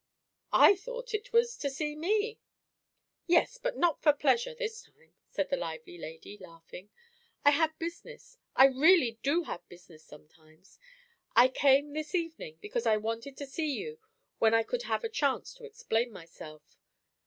"I thought it was, to see me." "Yes, but not for pleasure, this time," said the lively lady, laughing. "I had business I really do have business sometimes. I came this evening, because I wanted to see you when I could have a chance to explain myself.